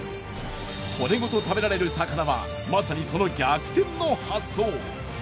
骨ごと食べられる魚はまさにその逆転の発想。